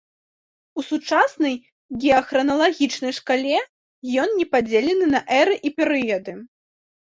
У сучаснай геахраналагічнай шкале ён не падзелены на эры і перыяды.